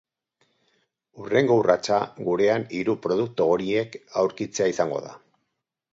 Hurrengo urratsa gurean hiru produktu horiek aurkitzea izango da.